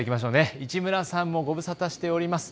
市村さんもごぶさたしております。